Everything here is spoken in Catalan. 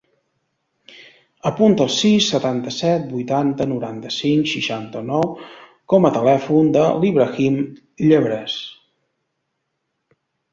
Apunta el sis, setanta-set, vuitanta, noranta-cinc, seixanta-nou com a telèfon de l'Ibrahim Llabres.